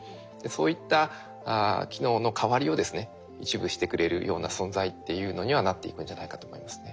そういった機能の代わりをですね一部してくれるような存在っていうのにはなっていくんじゃないかと思いますね。